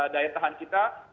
daya tahan kita